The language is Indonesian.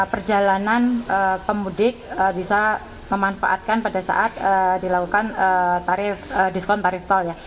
perjalanan pemudik bisa memanfaatkan pada saat dilakukan diskon tarif tol ya